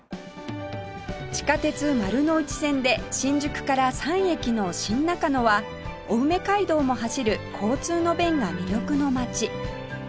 地下鉄丸ノ内線で新宿から３駅の新中野は青梅街道も走る交通の便が魅力の街